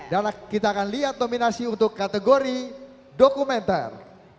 dan kita akan lihat nominasi untuk kategori dokumenter